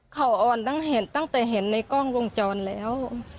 เขาอ่อนตั้งแต่เห็นในกล้องวงจรแล้ว